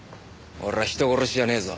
俺は人殺しじゃねえぞ。